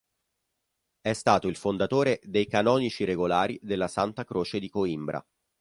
È stato il fondatore dei Canonici regolari della Santa Croce di Coimbra.